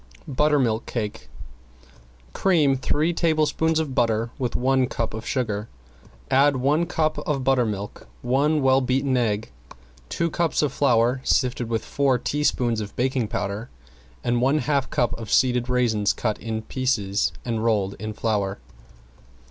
~BUTTERMILK CAKE ~Cream three tablespoons of butter with one cup of sugar, add one cup of buttermilk, one well beaten egg, two cups of flour sifted with four teaspoons of baking powder and one half cup of seeded raisins cut in pieces and rolled in flour.